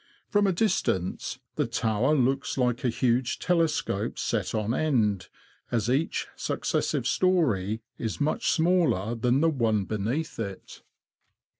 From a distance the tower looks like a huge telescope set on end, as each successive storey is much smaller than the one beneath it.